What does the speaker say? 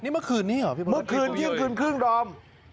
เมื่อคืนเที่ยงคืนครึ่งรอม